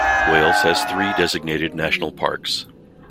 Wales has three designated national parks.